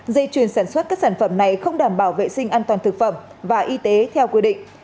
dây chuyền sản xuất các sản phẩm này không đảm bảo vệ sinh an toàn thực phẩm và y tế theo quy định